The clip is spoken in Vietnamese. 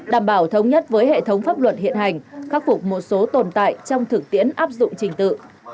đảm bảo thống nhất với hệ thống pháp luật hiện hành khắc phục một số tồn tại trong thực tiễn áp dụng trình tự